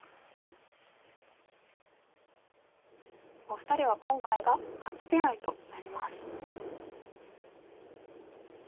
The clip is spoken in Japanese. お二人は今回が初手合となります。